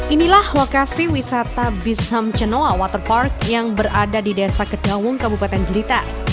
inilah lokasi wisata bisham chenoa waterpark yang berada di desa kedawung kabupaten blitar